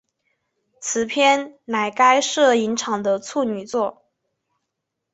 此片乃该摄影场的处女作。